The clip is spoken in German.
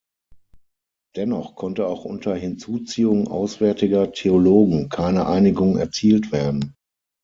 Dennoch konnte auch unter Hinzuziehung auswärtiger Theologen keine Einigung erzielt werden.